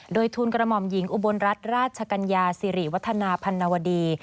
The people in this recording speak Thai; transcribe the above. โดยทุนกระหม่อมหญิงอุบลรัฐราชกัญญาสิริวัฒนาพันนวดี